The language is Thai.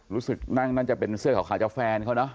รู้สึกนั่งน่าจะเป็นเสื้อขาวจากแฟนเขาเนอะ